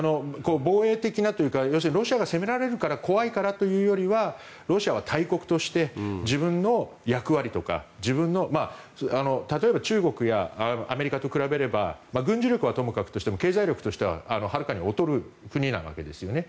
防衛的なというか要するにロシアが攻められるから怖いからというよりはロシアは大国として自分の役割とか例えば中国やアメリカと比べれば軍事力はともかくとして経済力としてははるかに劣る国なわけですよね。